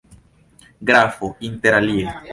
Grafo, interalie.